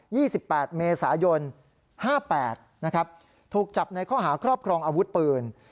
ี่สิบแปดเมษายนห้าแปดนะครับถูกจับในข้อหาครอบครองอาวุธปืน